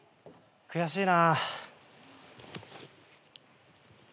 悔しいな。